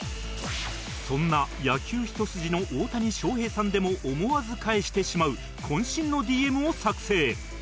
そんな野球一筋の大谷翔平さんでも思わず返してしまう渾身の ＤＭ を作成